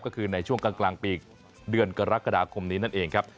ก็คือในช่วงกลางปีเดือนกรกฎาคมนี้นั่นเองครับ